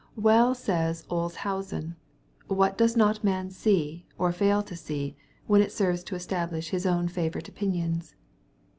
Well says Olshausen, " What does not man see, or fail to see, when it serves to establish his own favorite opinions